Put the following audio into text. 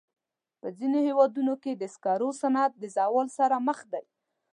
په ځینو هېوادونو کې د سکرو صنعت د زوال سره مخ دی.